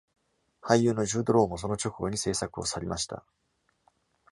俳優のジュード・ロウも、その直後に制作を去りました。